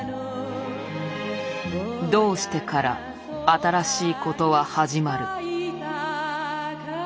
「どうして」から新しいことは始まる。